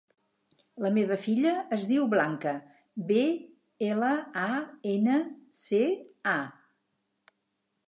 La meva filla es diu Blanca: be, ela, a, ena, ce, a.